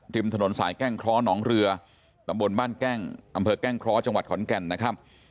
ทิมถนนสายแกล้งคล้อน้องเรือดำบนบ้านแกล้งอำเภอแกล้งคล้อจังหวัดขอนกรรมนะครับ